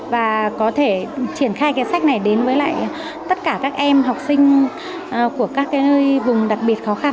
và có thể triển khai cái sách này đến với lại tất cả các em học sinh của các vùng đặc biệt khó khăn